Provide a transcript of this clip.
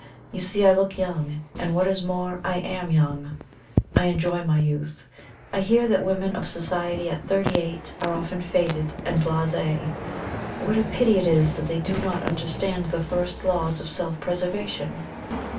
You see I look young, and, what is more, I am young. I enjoy my youth. I hear that women of society at thirty eight are often faded and blase what a pity it is that they do not understand the first laws of self preservation!